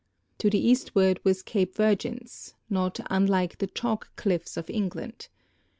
To the eastward was Cape Virgins, not unlike the chalk cliffs of England.